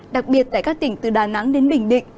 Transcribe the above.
đặc biệt tại các tỉnh từ đà nẵng đến bình định